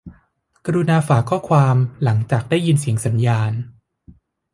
กรุณาฝากข้อความหลังจากได้ยินเสียงสัญญาณ